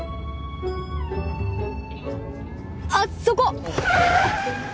あっそこ！